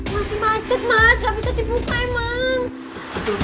masih macet mas gak bisa dibuka emang